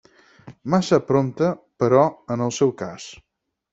Massa prompte, però, en el seu cas.